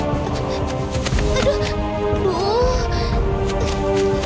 dan maupun ingat pertanyaanmu tidak bisa jadi kisah